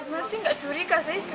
masih gak duri kasir